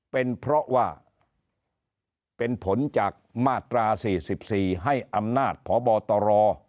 เป็นเพราะว่าเป็นผลจากมาตรา๔๔ให้อำนาจพบตร